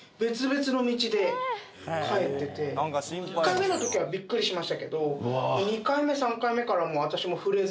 １回目の時はビックリしましたけど２回目３回目からは私も触れず。